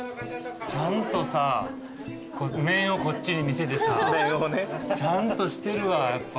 ちゃんとさ面をこっちに見せてさちゃんとしてるわやっぱ。